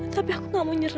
tapi aku gak mau nyerah